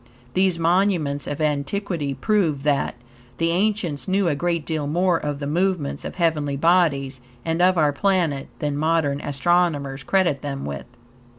These monuments of antiquity prove that, the ancients knew a great deal more of the movements of heavenly bodies and of our planet than modern astronomers credit them with.